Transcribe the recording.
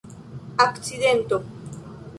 akcidento